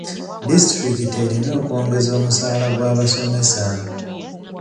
Disitulikiti erina okwongeza omusaala gw'abasomesa.